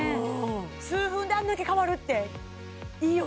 数分であんだけ変わるっていいよね